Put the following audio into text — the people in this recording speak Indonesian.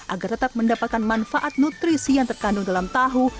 agar tetap mendapatkan manfaat nutrisi yang terkandung dalam tahu